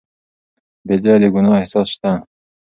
بې ځایه د ګناه احساس شته.